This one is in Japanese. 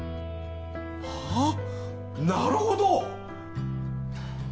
ああなるほど！